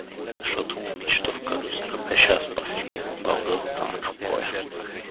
Защото момичето в каруцата беше Аспасия, балдъзата на Чокоя.